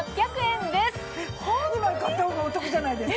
２枚買った方がお得じゃないですか。